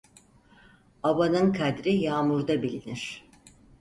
Abanın kadri yağmurda bilinir.